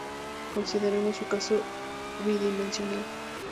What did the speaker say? Consideremos un caso bidimensional.